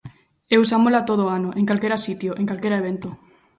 E usámola todo o ano, en calquera sitio, en calquera evento.